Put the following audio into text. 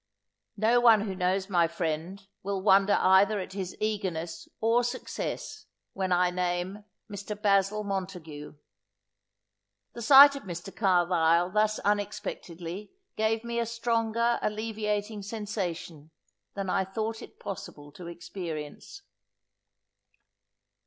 No one who knows my friend, will wonder either at his eagerness or success, when I name Mr. Basil Montagu. The sight of Mr. Carlisle thus unexpectedly, gave me a stronger alleviating sensation, than I thought it possible to experience.